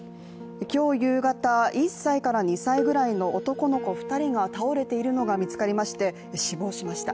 今日夕方、１歳から２歳ぐらいの男の子２人が倒れているのが見つかりまして、死亡しました。